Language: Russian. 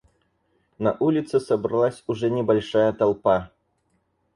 На улице собралась уже небольшая толпа.